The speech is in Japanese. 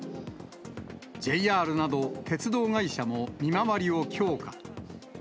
ＪＲなど、鉄道会社も見回りを強化。